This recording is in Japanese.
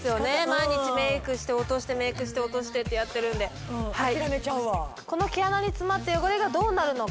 毎日メイクして落としてメイクして落としてってやってるんで諦めちゃうわこの毛穴に詰まった汚れがどうなるのか？